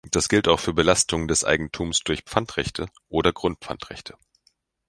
Das gilt auch für Belastungen des Eigentums durch Pfandrechte oder Grundpfandrechte.